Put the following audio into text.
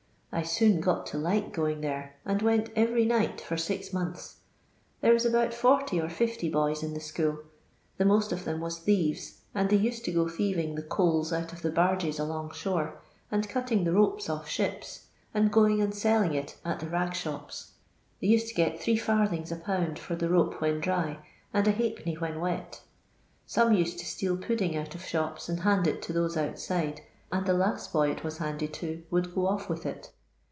I soon got to like going there, and went every night for six months. There was about 40 or 50 boys in the school. The most of them was thieves, and thev used to go thieving the coals out of barges along shore, and cutting the ropes off ships, and going and selling It at the rag shops. They used to get ld,tL lb. for the rope when dry, and .^(/. when wet Some used to steal pudding out of shops and hand it to those outside, and the last boy it was handed to would go off with it.